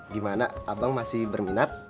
gimana abang masih berminat